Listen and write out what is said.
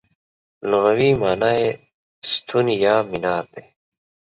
لغوي مانا یې ستون یا مینار دی.